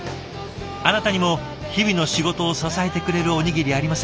あなたにも日々の仕事を支えてくれるおにぎりありませんか？